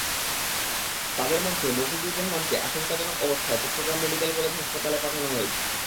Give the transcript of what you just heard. তাঁদের মধ্যে মফিজুর রহমানকে আশঙ্কাজনক অবস্থায় চট্টগ্রাম মেডিকেল কলেজ হাসপাতালে পাঠানো হয়েছে।